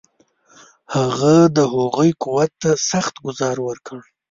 هغه د هغوی قوت ته سخت ګوزار ورکړ.